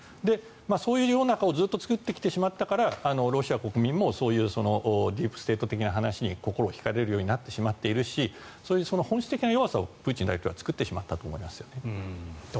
そういう世の中をずっと作ってきてしまったからロシア国民もディープ・ステート的な話に心を引かれるようになってしまっているしそういう本質的な弱さをプーチン大統領が作ってしまったと思いますね。